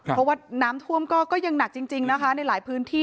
เพราะว่าน้ำท่วมก็ยังหนักจริงนะคะในหลายพื้นที่